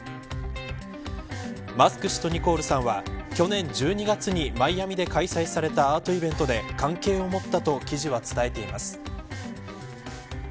マスク氏とニコールさんは去年１２月にマイアミで開催されたアートイベントで関係を持ったと記事は伝えています。